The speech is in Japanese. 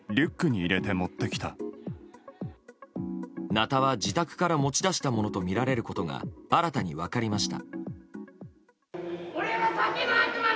なたは自宅から持ち出したものとみられることが新たに分かりました。